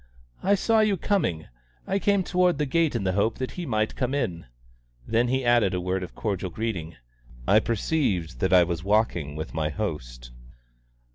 "I saw you coming. I came toward the gate in the hope that he might come in." Then he added a word of cordial greeting. I perceived that I was walking with my host.